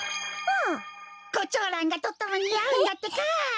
コチョウランがとってもにあうんだってか！